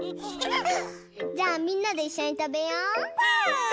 じゃあみんなでいっしょにたべよう。